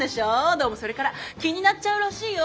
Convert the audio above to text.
どうもそれから気になっちゃうらしいよ。